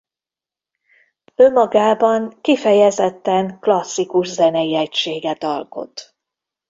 Önmagában kifejezetten klasszikus zenei egységet alkot.